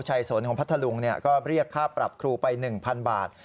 สนของพัทธลุงก็เรียกค่าปรับครูไป๑๐๐บาท